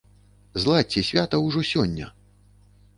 Зладзьце свята ўжо сёння!